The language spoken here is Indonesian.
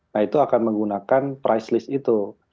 nah itu akan menggunakan price list itu